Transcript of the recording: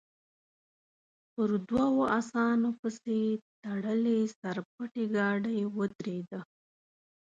پر دوو اسانو پسې تړلې سر پټې ګاډۍ ودرېده.